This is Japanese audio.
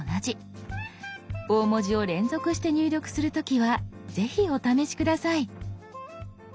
大文字を連続して入力する時はぜひお試し下さい。